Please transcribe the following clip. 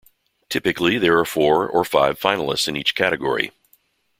Typically there are four or five finalists in each category.